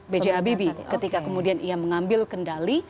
b j habibie ketika kemudian ia mengambil kendali